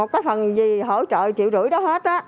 một cái phần gì hỗ trợ triệu rưỡi đó hết á